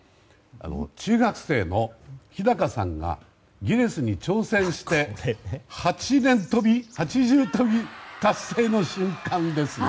中学生の日高さんがギネスに挑戦して８重跳び達成の瞬間ですね。